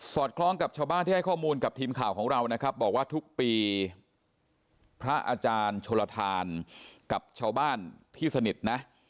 คล้องกับชาวบ้านที่ให้ข้อมูลกับทีมข่าวของเรานะครับบอกว่าทุกปีพระอาจารย์โชลทานกับชาวบ้านที่สนิทนะ